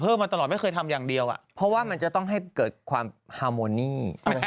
ไปทำกลับมานานแค่ไหนกว่ามันจะเข้าที่